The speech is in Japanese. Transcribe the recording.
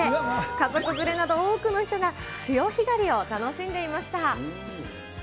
家族連れなど多くの人が潮干狩りを楽しんでいました。